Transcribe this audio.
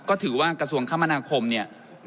ก็ถือว่ากระทรวงคมนาคมเนี่ย